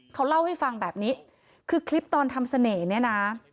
เขาเล่าให้ฟังแบบนี้คือคลิปตอนทำเสน่ห์เนี่ยนะ